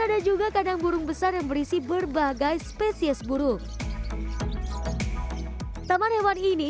ada juga kadang burung besar yang berisi berbagai spesies burung taman hewan ini